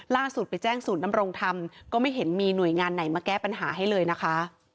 ไปแจ้งศูนย์นำรงธรรมก็ไม่เห็นมีหน่วยงานไหนมาแก้ปัญหาให้เลยนะคะ